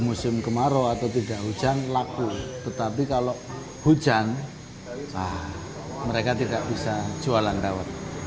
musim kemarau atau tidak hujan laku tetapi kalau hujan mereka tidak bisa jualan dawet